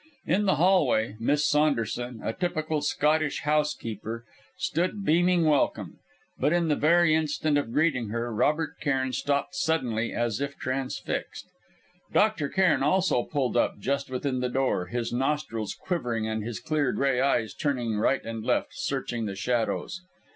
In the hall way Miss Saunderson, a typical Scottish housekeeper, stood beaming welcome; but in the very instant of greeting her, Robert Cairn stopped suddenly as if transfixed. Dr. Cairn also pulled up just within the door, his nostrils quivering and his clear grey eyes turning right and left searching the shadows.